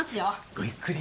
ごゆっくり。